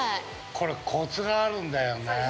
◆これ、コツがあるんだよね。